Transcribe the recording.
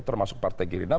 termasuk partai gerinda